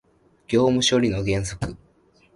業務処理の原則